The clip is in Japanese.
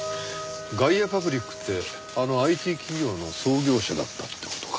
ガイアパブリックってあのＩＴ企業の創業者だったって事か。